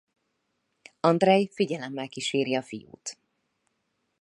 Andrej figyelemmel kíséri a fiút.